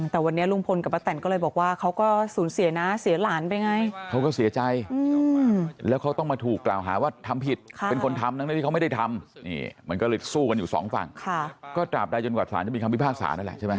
แต่วันนี้ลุงพลกับป้าแตนก็เลยบอกว่า